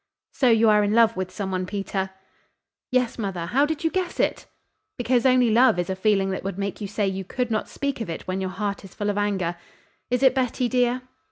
"So you are in love with some one, Peter?" "Yes, mother. How did you guess it?" "Because only love is a feeling that would make you say you could not speak of it when your heart is full of anger. Is it Betty, dear?"